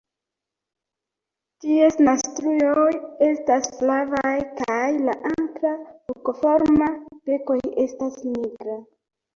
Ties naztruoj estas flavaj kaj la akra hokoforma bekoj estas nigra.